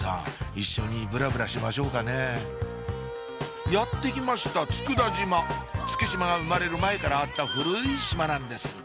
一緒にブラブラしましょうかねやって来ました佃島月島が生まれる前からあった古い島なんです